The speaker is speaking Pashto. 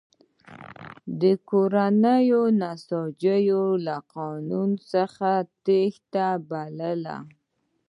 کورنیو نساجانو له قانون څخه تېښته بلله.